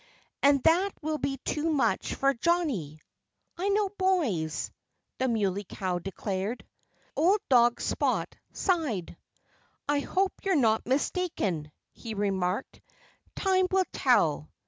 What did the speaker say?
And that will be too much for Johnnie. ... I know boys," the Muley Cow declared. Old dog Spot sighed. "I hope you're not mistaken," he remarked. "Time will tell.